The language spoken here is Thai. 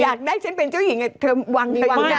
อยากได้ฉันเป็นเจ้าหญิงเธอวังนี้วังด้านนี้